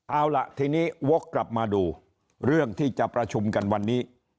เอาล่ะทีนี้วกกลับมาดูเรื่องที่จะประชุมกันวันนี้